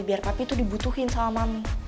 biar papi tuh dibutuhin sama mami